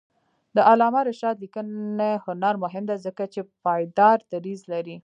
د علامه رشاد لیکنی هنر مهم دی ځکه چې پایدار دریځ لري.